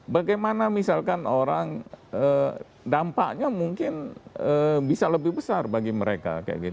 bagaimana misalkan orang dampaknya mungkin bisa lebih besar bagi mereka